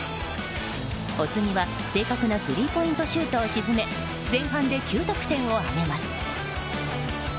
お次は、正確なスリーポイントシュートを沈め前半で９得点を挙げます。